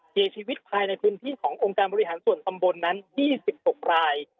เสียชีวิตภายในพื้นที่ขององค์การบริหารส่วนตำบลนั้น๒๖ราย